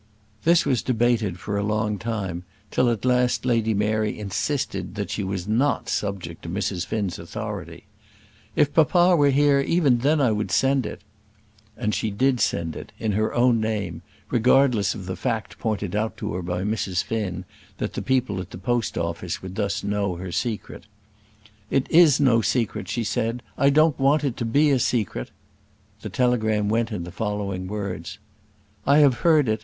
This was debated for a long time, till at last Lady Mary insisted that she was not subject to Mrs. Finn's authority. "If papa were here, even then I would send it." And she did send it, in her own name, regardless of the fact pointed out to her by Mrs. Finn, that the people at the post office would thus know her secret. "It is no secret," she said. "I don't want it to be a secret." The telegram went in the following words: "I have heard it.